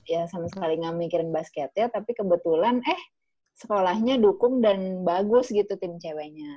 ya sama sekali ga mikirin basketnya tapi kebetulan eh sekolahnya dukung dan bagus gitu tim ceweknya